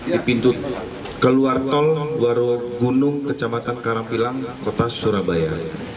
di pintu keluar tol warung bunung kecamatan karampilang kota surabaya